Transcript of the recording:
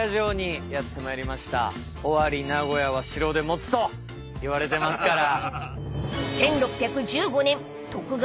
「尾張名古屋は城で持つ」と言われてますから。